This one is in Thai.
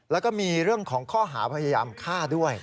แล้วก็มีเรื่องของข้อหาพยายามฆ่าด้วย